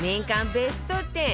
ベスト１０